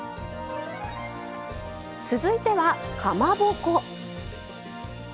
続いてはかまぼこ。